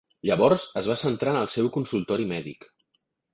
Llavors, es va centrar en el seu consultori mèdic.